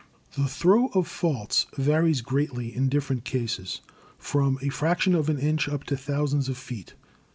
The throw of faults varies greatly in different cases, from a fraction of an inch up to thousands of feet.